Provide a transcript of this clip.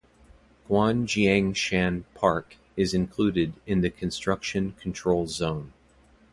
Guan Xiang Shan Park is included in the construction control zone.